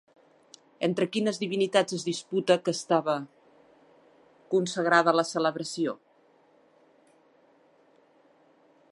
Entre quines divinitats es disputa que estava consagrada la celebració?